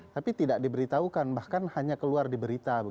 tapi tidak diberitahukan bahkan hanya keluar diberita